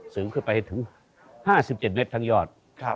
ขึ้นไปถึง๕๗เมตรทั้งยอด